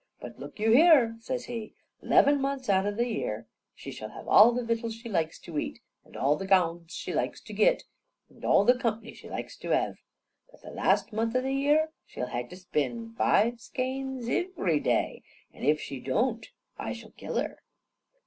But look you here," says he, "'leven months out o' the year she shall have all the vittles she likes to eat, and all the gownds she likes to git, and all the cumpny she likes to hev; but the last month o' the year she'll ha' to spin five skeins iv'ry day, an' if she doon't, I shall kill her."